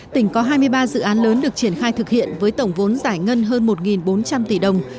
tỉnh có hai mươi ba dự án lớn được triển khai thực hiện với tổng vốn giải ngân hơn một bốn trăm linh tỷ đồng